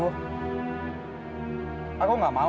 nis aku nggak mau